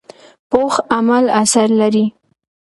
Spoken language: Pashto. پوخ عمل اثر لري